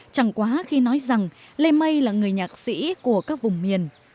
chẳng quá khi nói rằng lê mây là người nhạc sĩ của các vùng miền